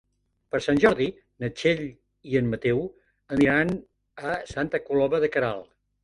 Per Sant Jordi na Txell i en Mateu aniran a Santa Coloma de Queralt.